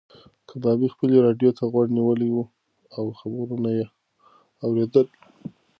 کبابي خپلې راډیو ته غوږ نیولی و او خبرونه یې اورېدل.